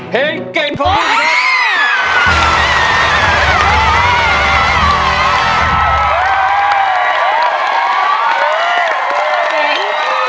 เพลงเก่งของตัวเอง